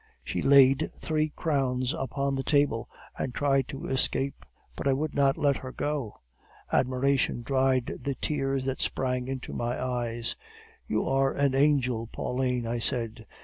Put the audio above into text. "She laid three crowns upon the table, and tried to escape, but I would not let her go. Admiration dried the tears that sprang to my eyes. "'You are an angel, Pauline,' I said.